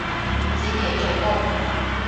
五子棋最高